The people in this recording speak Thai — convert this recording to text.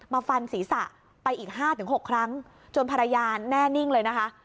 มาฟันศรีษะไปอีกห้าถึงหกครั้งจนภรรยาแน่นิ่งเลยนะคะ